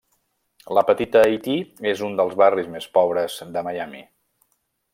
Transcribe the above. La Petita Haití és un dels barris més pobres de Miami.